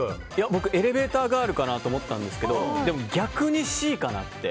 僕、エレベーターガールかなと思ったんですけどでも、逆にＣかなって。